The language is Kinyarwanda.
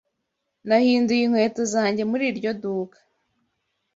Nahinduye inkweto zanjye muri iryo duka.